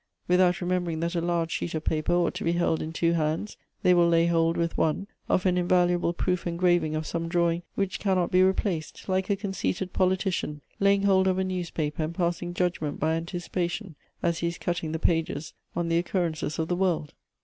Witiiout re membering that a large sheet of paper ought to be held in two hands, they will lay hold, with one, of an invalu able proof engraving of some drawing which cannot be replaced, like a conceited politician laying hold of a newspaper, and passing judgment by anticipation, as he is cutting the pages, on the occurrences of the world.